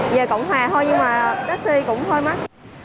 về cộng hòa thôi nhưng mà taxi cũng hơi mắt